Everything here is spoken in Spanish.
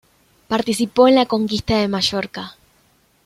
Participó en la conquista de Mallorca.